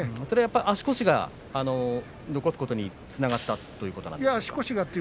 それは足腰が残すことにつながったということですか？